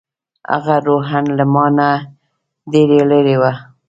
هغه روحاً له ما نه ډېره لرې وه.